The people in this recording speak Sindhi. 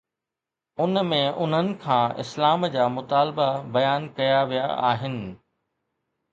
ان ۾ انهن کان اسلام جا مطالبا بيان ڪيا ويا آهن.